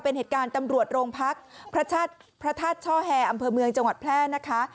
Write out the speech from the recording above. เป็นเหตุการณ์ตำรวจโรงพักพระธาตุช่อแฮอำเภอเมืองจังหวัดแพร่นะคะ